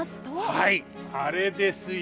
はいあれですよ。